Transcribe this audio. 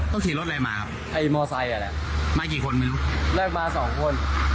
ขี่รถอะไรมาครับไอ้มอไซค์อ่ะแหละมากี่คนไม่รู้แรกมาสองคน